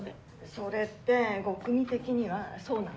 ・それってゴクミ的にはそうなの？